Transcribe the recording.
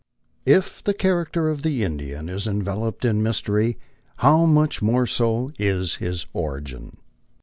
~T~F the character of the Indian is enveloped in mystery, how much more so if I his origin.